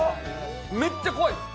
めっちゃこわいです。